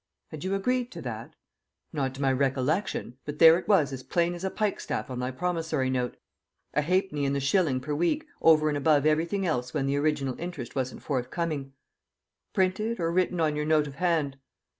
"Had you agreed to that?" "Not to my recollection, but there it was as plain as a pikestaff on my promissory note. A halfpenny in the shilling per week over and above everything else when the original interest wasn't forthcoming." "Printed or written on your note of hand?"